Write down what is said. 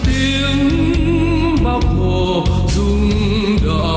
tiếng bác hồ rung đỏ